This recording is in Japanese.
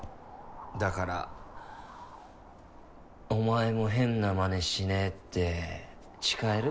だからお前も変なマネしねぇって誓える？